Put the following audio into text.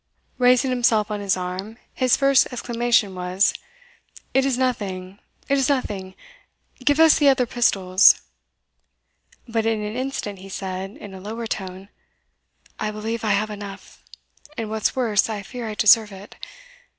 Raising himself on his arm, his first exclamation was, "It is nothing it is nothing give us the other pistols." But in an instant he said, in a lower tone, "I believe I have enough and what's worse, I fear I deserve it. Mr.